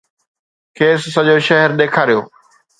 کيس سڄو شهر ڏيکاريو